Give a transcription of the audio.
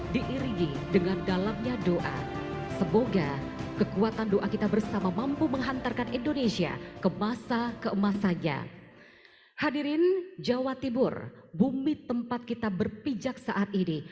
semoga kemampuan kita berpijak saat ini